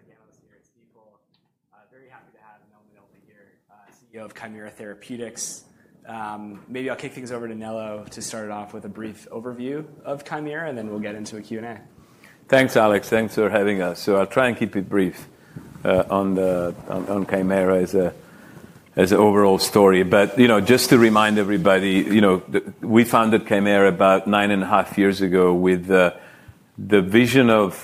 Back on Alex Thompson's bicycle, and I'm with Stifel. Very happy to have Nello Mainolfi here, CEO of Kymera Therapeutics. Maybe I'll kick things over to Nello to start off with a brief overview of Kymera, and then we'll get into a Q&A. Thanks, Alex. Thanks for having us. I'll try and keep it brief on Kymera as an overall story. You know, just to remind everybody, we founded Kymera about nine and a half years ago with the vision of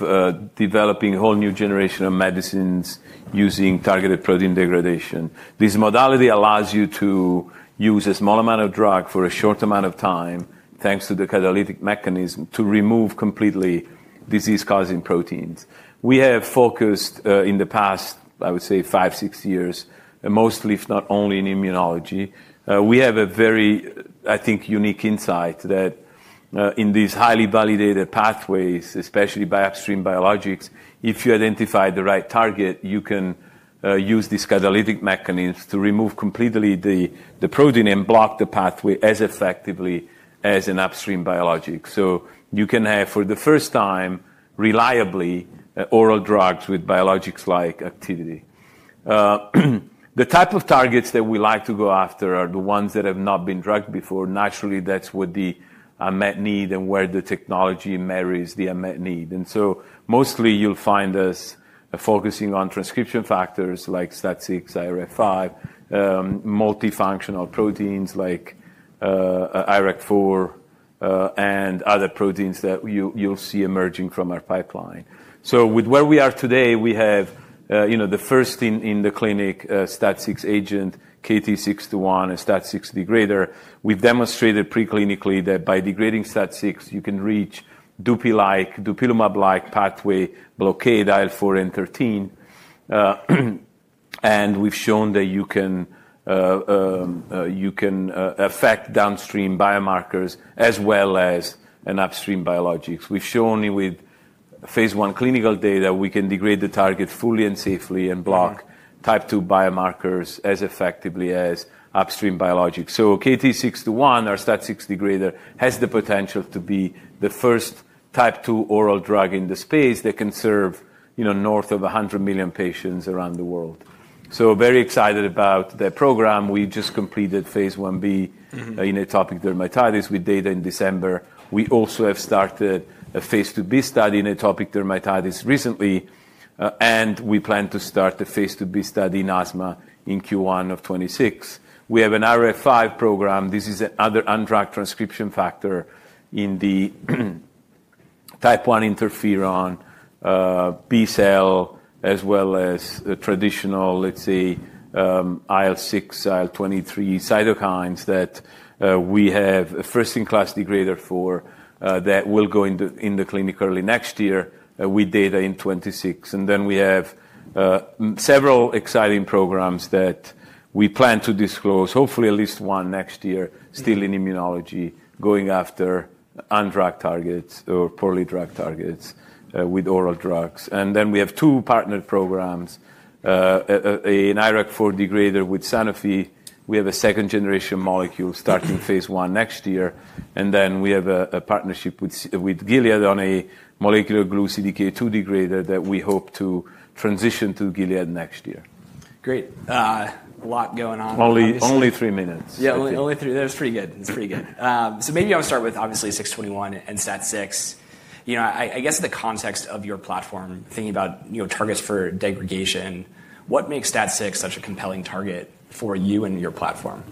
developing a whole new generation of medicines using targeted protein degradation. This modality allows you to use a small amount of drug for a short amount of time, thanks to the catalytic mechanism, to remove completely disease-causing proteins. We have focused, in the past, I would say, five, six years, mostly, if not only, in immunology. We have a very, I think, unique insight that in these highly validated pathways, especially by upstream biologics, if you identify the right target, you can use these catalytic mechanisms to remove completely the protein and block the pathway as effectively as an upstream biologic. You can have, for the first time, reliably, oral drugs with biologics-like activity. The type of targets that we like to go after are the ones that have not been drugged before. Naturally, that's what the unmet need is and where the technology marries the unmet need. Mostly you'll find us focusing on transcription factors like STAT6, IRF5, multifunctional proteins like IRAK4, and other proteins that you'll see emerging from our pipeline. Where we are today, we have the first in the clinic STAT6 agent, KT-621, and STAT6 degrader. We've demonstrated preclinically that by degrading STAT6, you can reach dupi-like, dupilumab-like pathway blockade of IL-4 and IL-13. We've shown that you can affect downstream biomarkers as well as upstream biologics. We've shown with phase I clinical data we can degrade the target fully and safely and block type 2 biomarkers as effectively as upstream biologics. KT-621, our STAT6 degrader, has the potential to be the first type 2 oral drug in the space that can serve, you know, north of 100 million patients around the world. Very excited about the program. We just completed phase IB in atopic dermatitis with data in December. We also have started a phase IIB study in atopic dermatitis recently, and we plan to start the phase IIB study in asthma in Q1 of 2026. We have an IRF5 program. This is another undrugged transcription factor in the type one interferon, B cell, as well as the traditional, let's say, IL-6, IL-23 cytokines that, we have a first-in-class degrader for, that will go into, in the clinic early next year, with data in 2026. We have several exciting programs that we plan to disclose, hopefully at least one next year, still in immunology, going after undrugged targets or poorly drugged targets, with oral drugs. We have two partner programs, an IRAK4 degrader with Sanofi. We have a second-generation molecule starting phase 1 next year. We have a partnership with Gilead on a molecular glucidic A2 degrader that we hope to transition to Gilead next year. Great. A lot going on. Only, only three minutes. Yeah, only, only three. That was pretty good. That's pretty good. Maybe I'll start with, obviously, 621 and STAT6. You know, I guess in the context of your platform, thinking about, you know, targets for degradation, what makes STAT6 such a compelling target for you and your platform?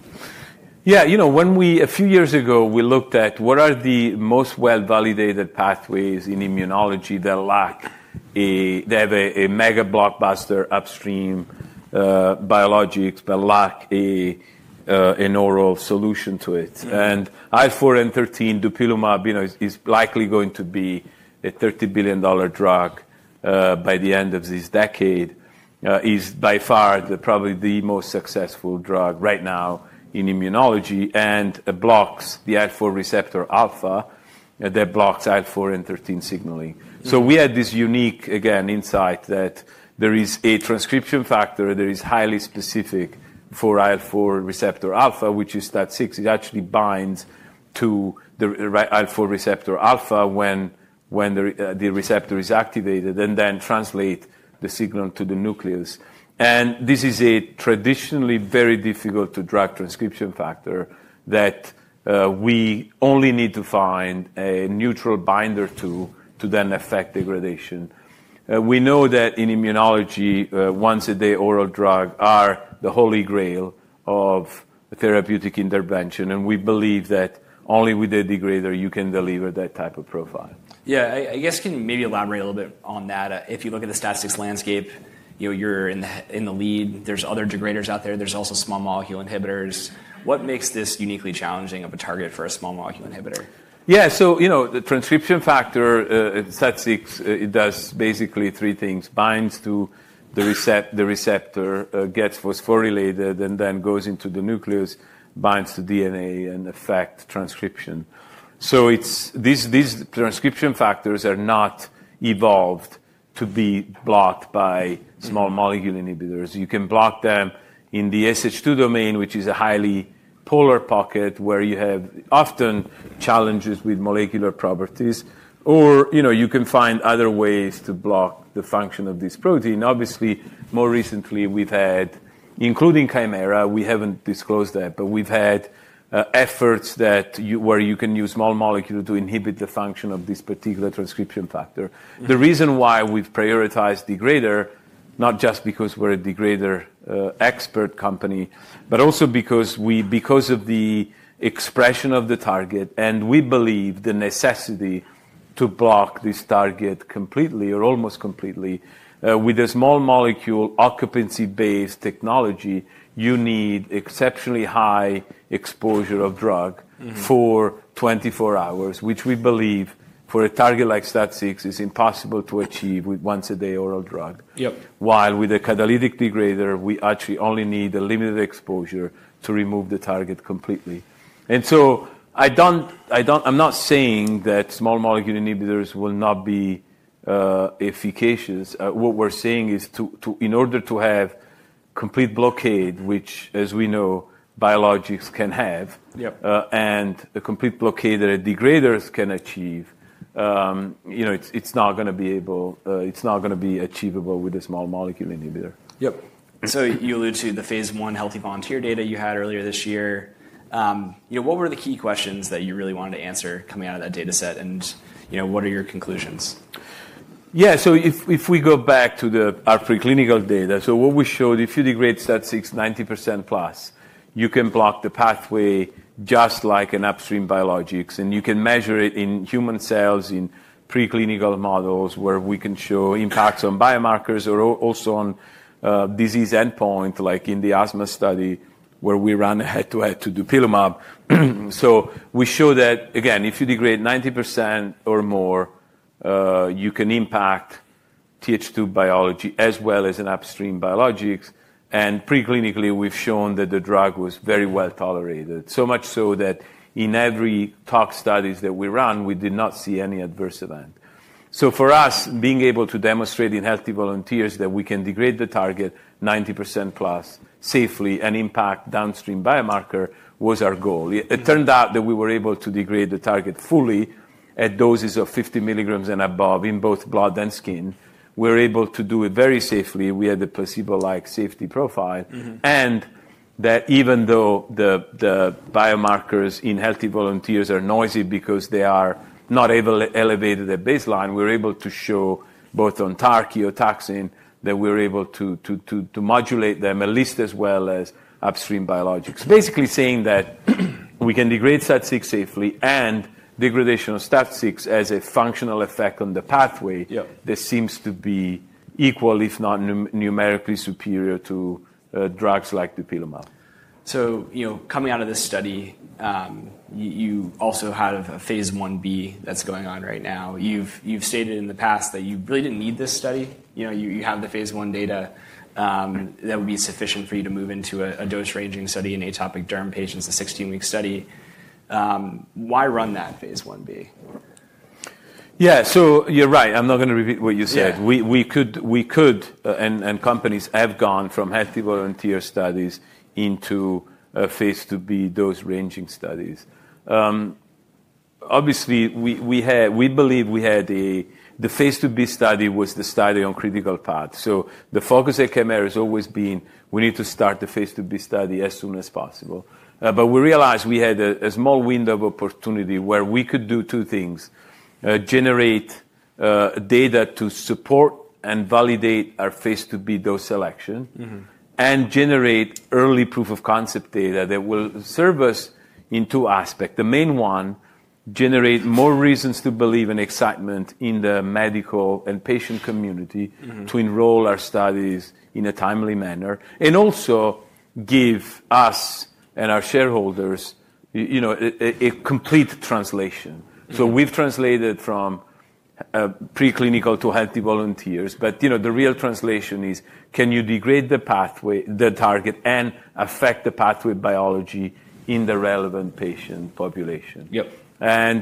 Yeah, you know, when we, a few years ago, we looked at what are the most well-validated pathways in immunology that lack a, that have a, a mega blockbuster upstream, biologics, but lack a, an oral solution to it. And IL-4 and 13, dupilumab, you know, is, is likely going to be a $30 billion drug, by the end of this decade, is by far the, probably the most successful drug right now in immunology and blocks the IL-4 receptor alpha, that blocks IL-4 and 13 signaling. We had this unique, again, insight that there is a transcription factor that is highly specific for IL-4 receptor alpha, which is STAT6. It actually binds to the IL-4 receptor alpha when, when the, the receptor is activated and then translates the signal to the nucleus. This is a traditionally very difficult to drug transcription factor that, we only need to find a neutral binder to, to then affect degradation. We know that in immunology, once-a-day oral drugs are the holy grail of therapeutic intervention, and we believe that only with a degrader you can deliver that type of profile. Yeah, I guess can you maybe elaborate a little bit on that? If you look at the STAT6 landscape, you know, you're in the lead. There's other degraders out there. There's also small molecule inhibitors. What makes this uniquely challenging of a target for a small molecule inhibitor? Yeah, so, you know, the transcription factor, STAT6, it does basically three things. Binds to the receptor, gets phosphorylated and then goes into the nucleus, binds to DNA, and affects transcription. These transcription factors are not evolved to be blocked by small molecule inhibitors. You can block them in the SH2 domain, which is a highly polar pocket where you have often challenges with molecular properties, or, you know, you can find other ways to block the function of this protein. Obviously, more recently we've had, including Kymera, we haven't disclosed that, but we've had efforts where you can use small molecules to inhibit the function of this particular transcription factor. The reason why we've prioritized degrader, not just because we're a degrader expert company, but also because of the expression of the target, and we believe the necessity to block this target completely or almost completely, with a small molecule occupancy-based technology, you need exceptionally high exposure of drug for 24 hours, which we believe for a target like STAT6 is impossible to achieve with once-a-day oral drug. Yep. While with a catalytic degrader, we actually only need a limited exposure to remove the target completely. I do not, I am not saying that small molecule inhibitors will not be efficacious. What we are saying is, in order to have complete blockade, which, as we know, biologics can have. Yep. and a complete blockade that degraders can achieve, you know, it's not gonna be able, it's not gonna be achievable with a small molecule inhibitor. Yep. And so you alluded to the phase one healthy volunteer data you had earlier this year. You know, what were the key questions that you really wanted to answer coming out of that dataset? And, you know, what are your conclusions? Yeah, so if we go back to our preclinical data, what we showed, if you degrade STAT6 90%+, you can block the pathway just like an upstream biologics, and you can measure it in human cells in preclinical models where we can show impacts on biomarkers or also on disease endpoint, like in the asthma study where we ran head-to-head to dupilumab. We show that, again, if you degrade 90% or more, you can impact TH2 biology as well as an upstream biologics. Preclinically, we've shown that the drug was very well tolerated, so much so that in every tox studies that we run, we did not see any adverse event. For us, being able to demonstrate in healthy volunteers that we can degrade the target 90%+ safely and impact downstream biomarker was our goal. It turned out that we were able to degrade the target fully at doses of 50 milligrams and above in both blood and skin. We were able to do it very safely. We had a placebo-like safety profile. Mm-hmm. Even though the biomarkers in healthy volunteers are noisy because they are not able to elevate their baseline, we were able to show both on TARC, eotaxin, that we were able to modulate them, at least as well as upstream biologics. Basically saying that we can degrade STAT6 safely and degradation of STAT6 has a functional effect on the pathway. Yep. That seems to be equal, if not numerically superior to, drugs like dupilumab. You know, coming out of this study, you also have a phaseI-B that's going on right now. You've stated in the past that you really didn't need this study. You know, you have the phase I data, that would be sufficient for you to move into a dose ranging study in atopic derm patients, a 16-week study. Why run that phase I-B? Yeah, so you're right. I'm not gonna repeat what you said. We could, and companies have gone from healthy volunteer studies into phase II-B dose ranging studies. Obviously, we believe we had the phase II-B study was the study on critical path. The focus at Kymera has always been, we need to start the phase II-B study as soon as possible. We realized we had a small window of opportunity where we could do two things, generate data to support and validate our phase II-B dose selection. Mm-hmm. Generate early proof of concept data that will serve us in two aspects. The main one, generate more reasons to believe and excitement in the medical and patient community. Mm-hmm. To enroll our studies in a timely manner and also give us and our shareholders, you know, a complete translation. Mm-hmm. We've translated from preclinical to healthy volunteers. But, you know, the real translation is, can you degrade the pathway, the target, and affect the pathway biology in the relevant patient population? Yep.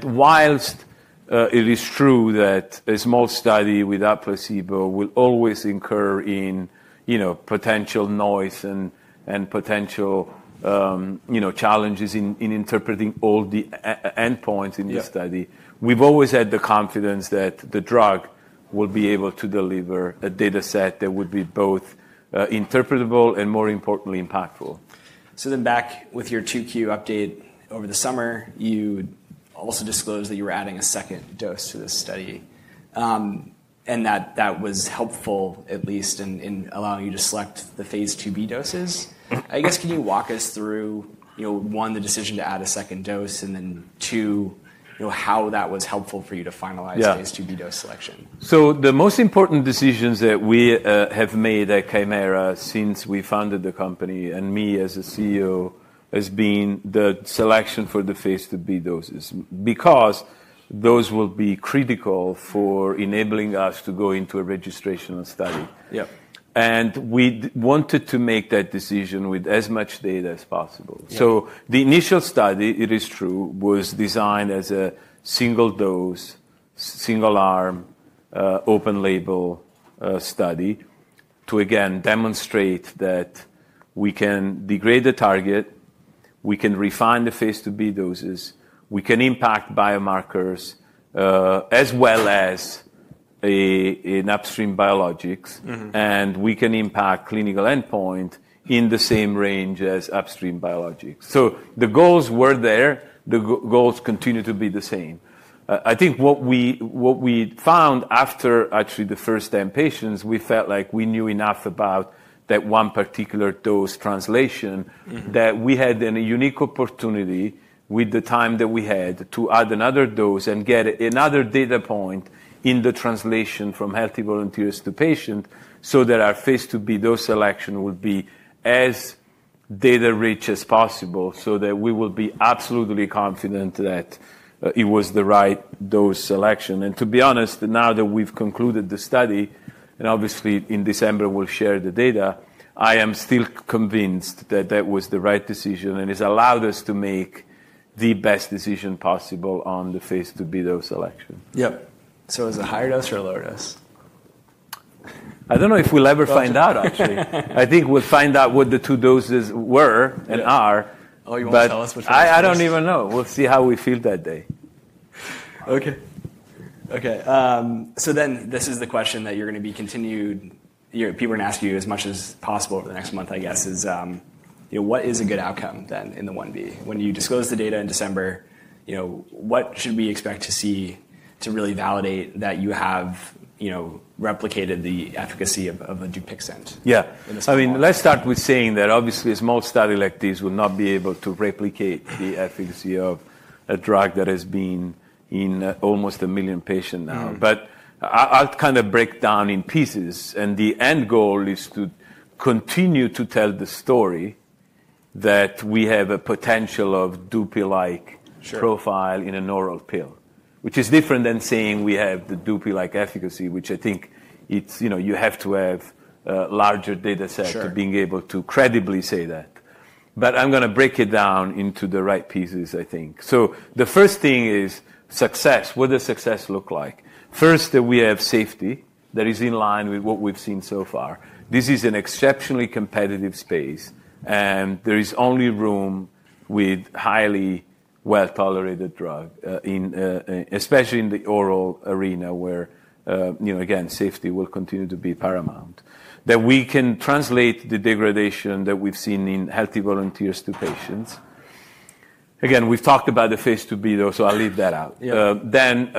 Whilst it is true that a small study without placebo will always incur in, you know, potential noise and potential, you know, challenges in interpreting all the endpoints in the study. Yep. We've always had the confidence that the drug will be able to deliver a dataset that would be both interpretable and, more importantly, impactful. Then back with your 2Q update over the summer, you also disclosed that you were adding a second dose to this study, and that was helpful, at least in allowing you to select the phase II-B doses. I guess, can you walk us through, you know, one, the decision to add a second dose, and then two, you know, how that was helpful for you to finalize. Yeah. Phase II-B dose selection? The most important decisions that we have made at Kymera since we founded the company and me as CEO has been the selection for the phase II-B doses because those will be critical for enabling us to go into a registration study. Yep. We wanted to make that decision with as much data as possible. Yep. The initial study, it is true, was designed as a single dose, single arm, open label study to, again, demonstrate that we can degrade the target, we can refine the phase II-B doses, we can impact biomarkers, as well as an upstream biologics. Mm-hmm. We can impact clinical endpoint in the same range as upstream biologics. The goals were there. The goals continue to be the same. I think what we found after actually the first 10 patients, we felt like we knew enough about that one particular dose translation. Mm-hmm. That we had a unique opportunity with the time that we had to add another dose and get another data point in the translation from healthy volunteers to patient so that our phase II-B dose selection will be as data-rich as possible so that we will be absolutely confident that it was the right dose selection. To be honest, now that we've concluded the study, and obviously in December we'll share the data, I am still convinced that that was the right decision and it's allowed us to make the best decision possible on the phase II-B dose selection. Yep. Is it a higher dose or a lower dose? I don't know if we'll ever find out, actually. I think we'll find out what the two doses were and are. Oh, you won't tell us what you're gonna say? I don't even know. We'll see how we feel that day. Okay. Okay. So then this is the question that you're gonna be continued, you know, people are gonna ask you as much as possible over the next month, I guess, is, you know, what is a good outcome then in the I-B? When you disclose the data in December, you know, what should we expect to see to really validate that you have, you know, replicated the efficacy of, of a Dupixent? Yeah. In a study? I mean, let's start with saying that obviously a small study like this will not be able to replicate the efficacy of a drug that has been in almost a million patients now. Mm-hmm. I'll kind of break down in pieces. The end goal is to continue to tell the story that we have a potential of dupi-like. Sure. Profile in an oral pill, which is different than saying we have the dupi-like efficacy, which I think it's, you know, you have to have a larger dataset. Sure. To being able to credibly say that. I'm gonna break it down into the right pieces, I think. The first thing is success. What does success look like? First, that we have safety that is in line with what we've seen so far. This is an exceptionally competitive space, and there is only room with highly well-tolerated drug, in, especially in the oral arena where, you know, again, safety will continue to be paramount, that we can translate the degradation that we've seen in healthy volunteers to patients. Again, we've talked about the phase II-B, though, so I'll leave that out. Yep. Then,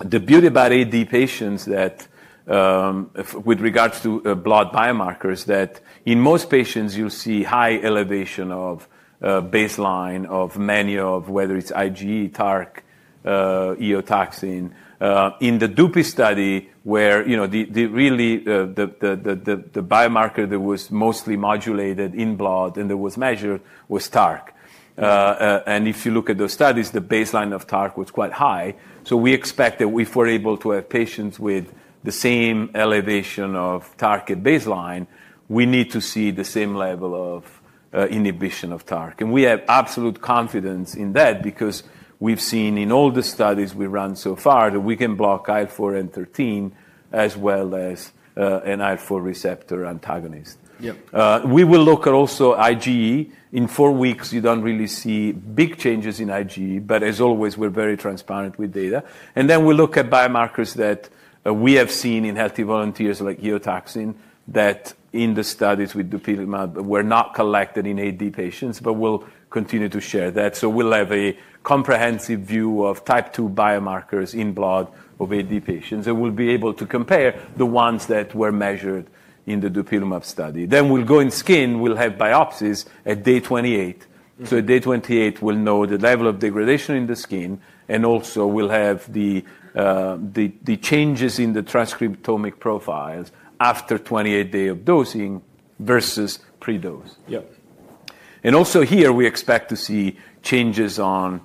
the beauty about AD patients, that with regards to blood biomarkers, that in most patients you'll see high elevation of baseline of many of, whether it's IgE, TARC, eotaxin. In the dupi study where, you know, the really, the biomarker that was mostly modulated in blood and that was measured was TARC. Mm-hmm. If you look at those studies, the baseline of TARC was quite high. We expect that if we're able to have patients with the same elevation of TARC at baseline, we need to see the same level of inhibition of TARC. We have absolute confidence in that because we've seen in all the studies we run so far that we can block IL-4 and 13 as well as an IL-4 receptor antagonist. Yep. We will look at also IgE. In four weeks, you do not really see big changes in IgE, but as always, we are very transparent with data. Then we look at biomarkers that we have seen in healthy volunteers like eotaxin that in the studies with dupilumab were not collected in AD patients, but we will continue to share that. We will have a comprehensive view of type 2 biomarkers in blood of AD patients. We will be able to compare the ones that were measured in the dupilumab study. We will go in skin. We will have biopsies at day 28. Mm-hmm. At day 28, we'll know the level of degradation in the skin. Also, we'll have the changes in the transcriptomic profiles after 28 days of dosing versus pre-dose. Yep. We expect to see changes on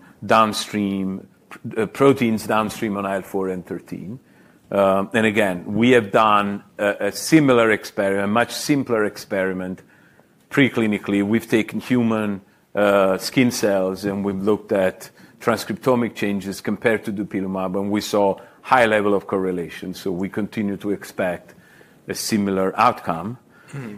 proteins downstream of IL-4 and 13. Again, we have done a similar experiment, a much simpler experiment preclinically. We have taken human skin cells and looked at transcriptomic changes compared to dupilumab, and we saw a high level of correlation. We continue to expect a similar outcome. Mm-hmm.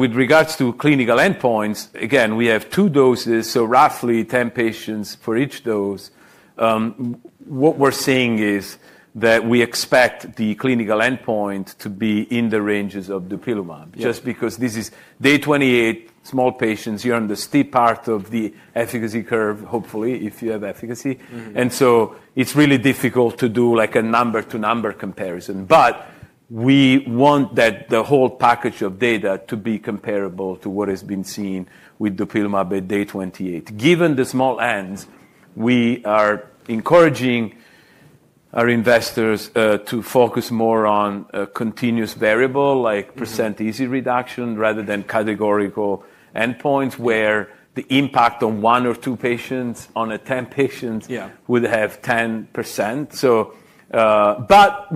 With regards to clinical endpoints, again, we have two doses, so roughly 10 patients for each dose. What we're seeing is that we expect the clinical endpoint to be in the ranges of dupilumab. Yep. Just because this is day 28, small patients, you're on the steep part of the efficacy curve, hopefully, if you have efficacy. Mm-hmm. It is really difficult to do like a number-to-number comparison. We want the whole package of data to be comparable to what has been seen with dupilumab at day 28. Given the small ends, we are encouraging our investors to focus more on a continuous variable like % easy reduction rather than categorical endpoints where the impact on one or two patients on a 10-patient study can be significant. Yeah. Would have 10%. You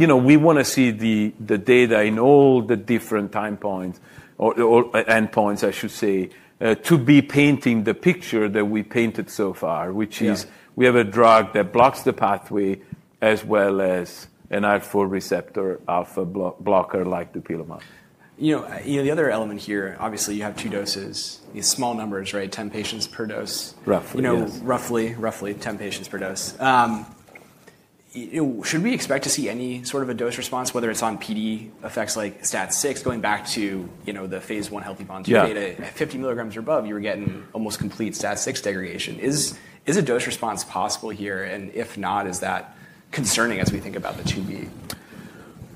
know, we wanna see the data in all the different time points or endpoints, I should say, to be painting the picture that we painted so far, which is. Yeah. We have a drug that blocks the pathway as well as an IL-4 receptor alpha blocker like dupilumab. You know, the other element here, obviously you have two doses, these small numbers, right? 10 patients per dose. Roughly. You know, roughly 10 patients per dose. You know, should we expect to see any sort of a dose response, whether it's on PD effects like STAT6, going back to, you know, the phase I healthy volunteer data? Yeah. At 50 milligrams or above, you were getting almost complete STAT6 degradation. Is, is a dose response possible here? And if not, is that concerning as we think about the II-B?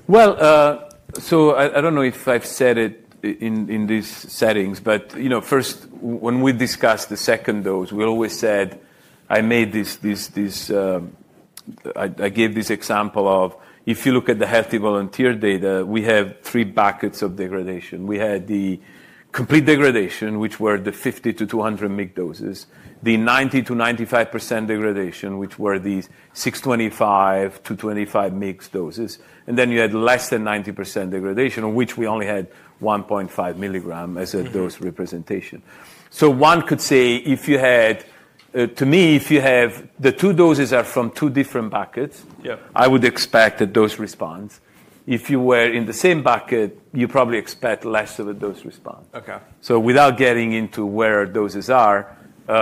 I do not know if I have said it in these settings, but, you know, first, when we discussed the second dose, we always said, I made this, I gave this example of, if you look at the healthy volunteer data, we have three buckets of degradation. We had the complete degradation, which were the 50-200 microgram doses, the 90%-95% degradation, which were the 625-2,500 microgram doses. And then you had less than 90% degradation, of which we only had 1.5 milligram as a dose representation. Mm-hmm. One could say, to me, if you have the two doses are from two different buckets. Yep. I would expect a dose response. If you were in the same bucket, you probably expect less of a dose response. Okay. Without getting into where our doses are, I,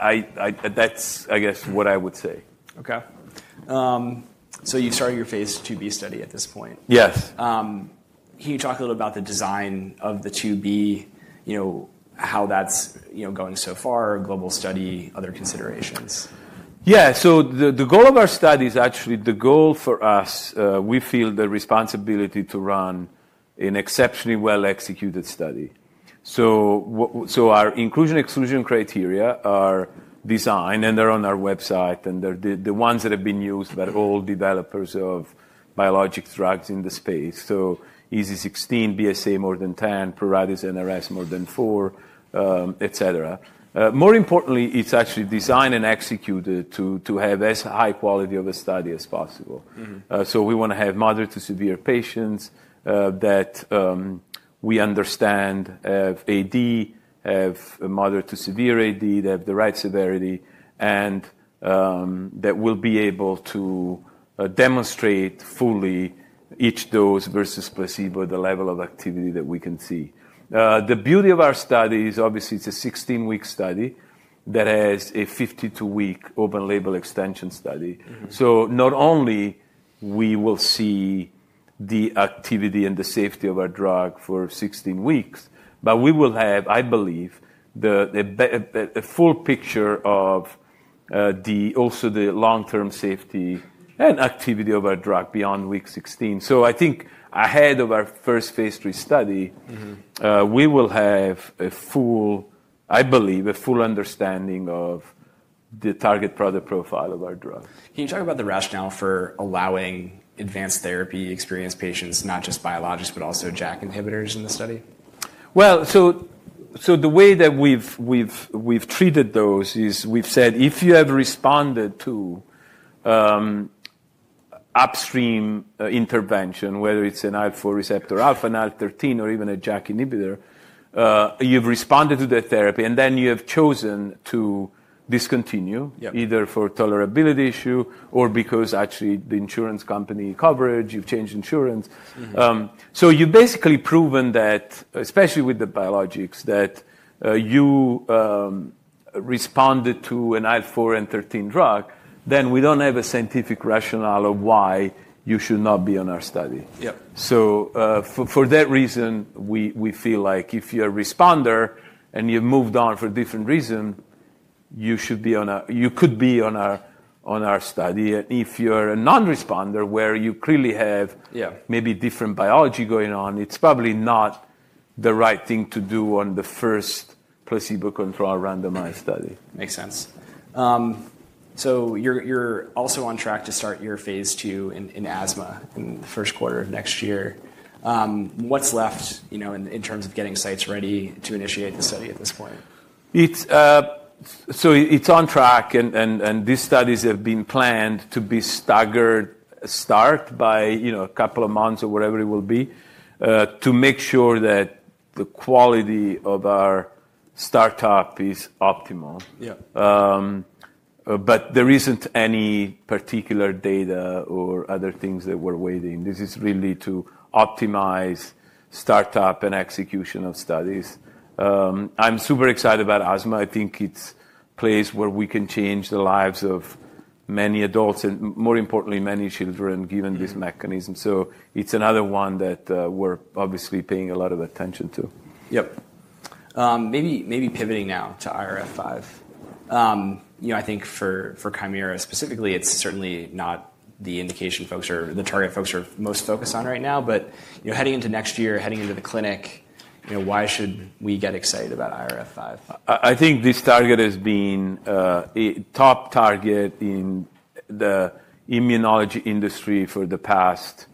I guess that's what I would say. Okay. So you've started your phase II-B study at this point? Yes. Can you talk a little about the design of the two B, you know, how that's, you know, going so far, global study, other considerations? Yeah. The goal of our study is actually the goal for us, we feel the responsibility to run an exceptionally well-executed study. Our inclusion-exclusion criteria are designed, and they're on our website, and they're the ones that have been used by all developers of biologic drugs in the space. So EASI 16, BSA more than 10, Pruritus NRS more than four, et cetera. More importantly, it's actually designed and executed to have as high quality of a study as possible. Mm-hmm. We wanna have moderate to severe patients that, we understand, have AD, have moderate to severe AD that have the right severity, and that will be able to demonstrate fully each dose versus placebo, the level of activity that we can see. The beauty of our study is obviously it's a 16-week study that has a 52-week open label extension study. Mm-hmm. Not only will we see the activity and the safety of our drug for 16 weeks, but we will have, I believe, a full picture of also the long-term safety and activity of our drug beyond week 16. I think ahead of our first phase III study. Mm-hmm. We will have a full, I believe, a full understanding of the target product profile of our drug. Can you talk about the rationale for allowing advanced therapy experienced patients, not just biologics, but also JAK inhibitors in the study? The way that we've treated those is we've said, if you have responded to upstream intervention, whether it's an IL-4 receptor alpha, an IL-13, or even a JAK inhibitor, you've responded to the therapy, and then you have chosen to discontinue. Yep. Either for tolerability issue or because actually the insurance company coverage, you've changed insurance. Mm-hmm. So you've basically proven that, especially with the biologics, that, you responded to an IL-4 and IL-13 drug, then we don't have a scientific rationale of why you should not be on our study. Yep. For that reason, we feel like if you're a responder and you've moved on for a different reason, you should be on our, you could be on our study. And if you're a non-responder, where you clearly have. Yeah. Maybe different biology going on, it's probably not the right thing to do on the first placebo-controlled randomized study. Makes sense. So you're, you're also on track to start your phase II in, in asthma in the first quarter of next year. What's left, you know, in, in terms of getting sites ready to initiate the study at this point? It's on track, and these studies have been planned to be staggered start by, you know, a couple of months or whatever it will be, to make sure that the quality of our startup is optimal. Yep. There isn't any particular data or other things that we're waiting. This is really to optimize startup and execution of studies. I'm super excited about asthma. I think it's a place where we can change the lives of many adults and, more importantly, many children given this mechanism. Mm-hmm. It's another one that, we're obviously paying a lot of attention to. Yep. Maybe, maybe pivoting now to IRF5. You know, I think for Kymera specifically, it's certainly not the indication folks are, the target folks are most focused on right now. But, you know, heading into next year, heading into the clinic, you know, why should we get excited about IRF5? I think this target has been a top target in the immunology industry for the past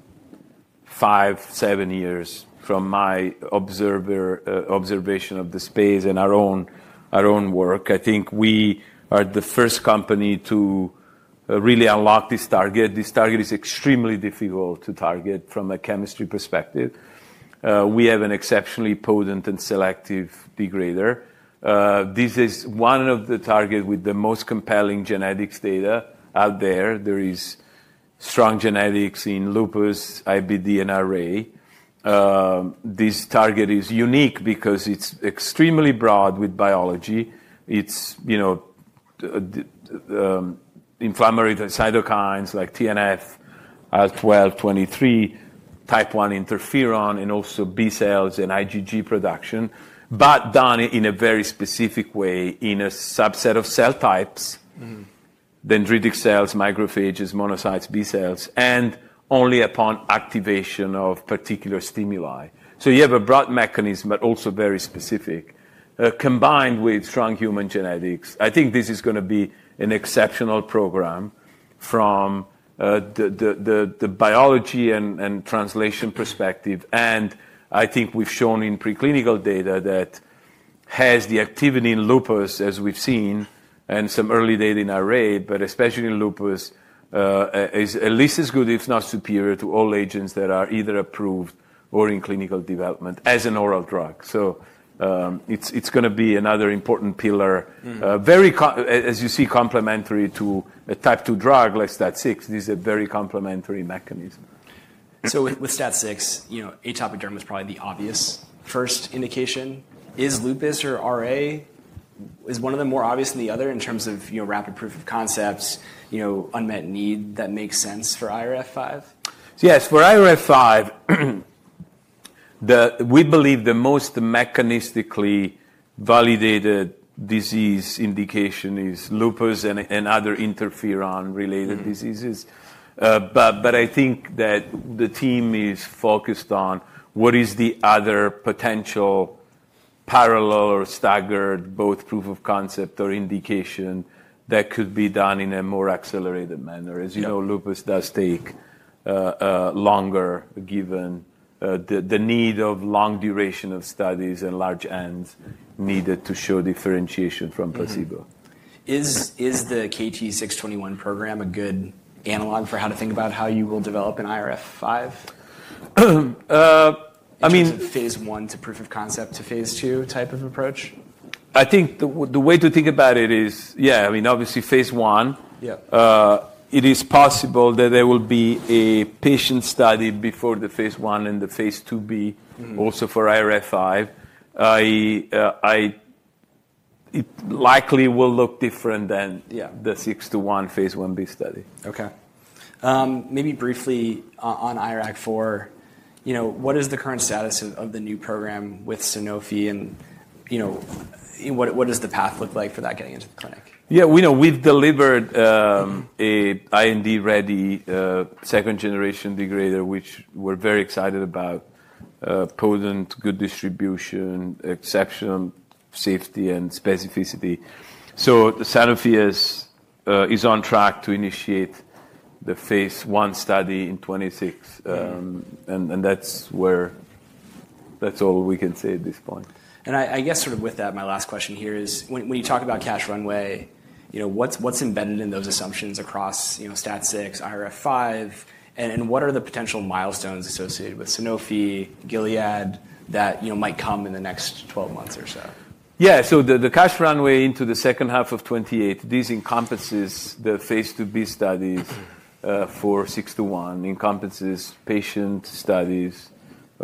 five, seven years from my observation of the space and our own work. I think we are the first company to really unlock this target. This target is extremely difficult to target from a chemistry perspective. We have an exceptionally potent and selective degrader. This is one of the targets with the most compelling genetics data out there. There is strong genetics in lupus, IBD, and RA. This target is unique because it's extremely broad with biology. It's, you know, inflammatory cytokines like TNF, IL-12, 23, type one interferon, and also B cells and IgG production, but done in a very specific way in a subset of cell types. Mm-hmm. Dendritic cells, macrophages, monocytes, B cells, and only upon activation of particular stimuli. You have a broad mechanism, but also very specific, combined with strong human genetics. I think this is gonna be an exceptional program from the biology and translation perspective. I think we've shown in preclinical data that has the activity in lupus, as we've seen, and some early data in RA, but especially in lupus, is at least as good, if not superior, to all agents that are either approved or in clinical development as an oral drug. It's gonna be another important pillar. Mm-hmm. very co- as you see, complementary to a type 2 drug like STAT6. This is a very complementary mechanism. With STAT6, you know, atopic dermatitis is probably the obvious first indication. Is lupus or RA, is one of them more obvious than the other in terms of, you know, rapid proof of concepts, you know, unmet need that makes sense for IRF5? Yes. For IRF5, we believe the most mechanistically validated disease indication is lupus and other interferon-related diseases. Mm-hmm. I think that the team is focused on what is the other potential parallel or staggered both proof of concept or indication that could be done in a more accelerated manner. Mm-hmm. As you know, lupus does take longer given the need of long duration of studies and large ends needed to show differentiation from placebo. Mm-hmm. Is the KT-621 program a good analog for how to think about how you will develop an IRF5? I mean. Is it phase I to proof of concept to phase II type of approach? I think the way to think about it is, yeah, I mean, obviously phase I. Yep. It is possible that there will be a patient study before the phase I and the II-B. Mm-hmm. Also for IRF5. I, it likely will look different than. Yeah. The 621 phase I-B study. Okay. Maybe briefly on IRAK4, you know, what is the current status of the new program with Sanofi and, you know, what does the path look like for that getting into the clinic? Yeah. We know we've delivered an IND-ready, second-generation degrader, which we're very excited about, potent, good distribution, exceptional safety and specificity. Sanofi is on track to initiate the phase I study in 2026. Mm-hmm. and that's all we can say at this point. I guess sort of with that, my last question here is, when you talk about cash runway, you know, what's embedded in those assumptions across, you know, STAT6, IRF5, and what are the potential milestones associated with Sanofi, Gilead that, you know, might come in the next 12 months or so? Yeah. So the cash runway into the second half of 2028, this encompasses the phase II-B studies. Mm-hmm. For six to one, encompasses patient studies,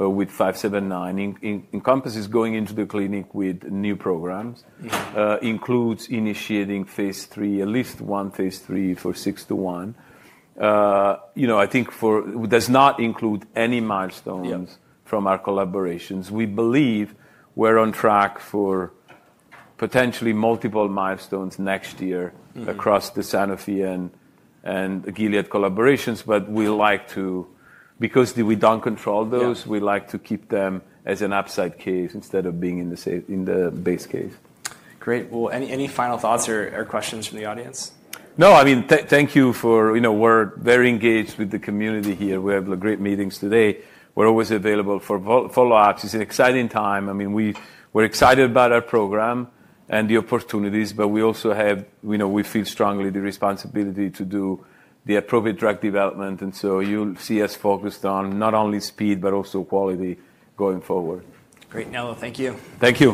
with 579, encompasses going into the clinic with new programs. Mm-hmm. includes initiating phase three, at least one phase three for 621. You know, I think four does not include any milestones. Yep. From our collaborations. We believe we're on track for potentially multiple milestones next year. Mm-hmm. Across the Sanofi and Gilead collaborations, we like to, because we do not control those. Mm-hmm. We like to keep them as an upside case instead of being in the base case. Great. Any final thoughts or questions from the audience? No. I mean, thank you for, you know, we're very engaged with the community here. We have great meetings today. We're always available for follow-ups. It's an exciting time. I mean, we were excited about our program and the opportunities, but we also have, you know, we feel strongly the responsibility to do the appropriate drug development. You will see us focused on not only speed, but also quality going forward. Great. Nello, thank you. Thank you.